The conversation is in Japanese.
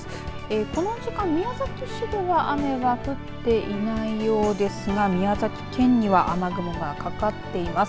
この時間、宮崎市では雨は降っていないようですが宮崎県には雨雲がかかっています。